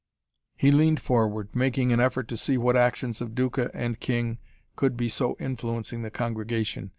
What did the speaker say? He leaned forward, making an effort to see what actions of Duca and king could be so influencing the congregation.